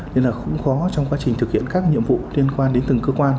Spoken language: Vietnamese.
nên là cũng khó trong quá trình thực hiện các nhiệm vụ liên quan đến từng cơ quan